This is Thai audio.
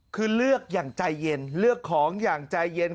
คือเลือกอย่างใจเย็นเลือกของอย่างใจเย็น